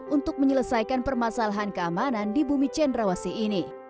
untuk menyelesaikan permasalahan keamanan di bumi cendrawasi ini